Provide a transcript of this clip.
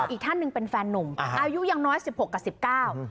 อีกท่านหนึ่งเป็นแฟนนุ่มอ่าอายุยังน้อยสิบหกกับสิบเก้า